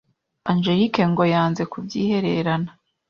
Angelique ngo yanze kubyihererana,